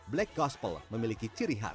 black gospel memiliki ciri khas